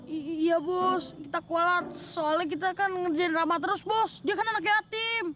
iya bos kita kuat soalnya kita kan ngerjain drama terus bos dia kan anak yatim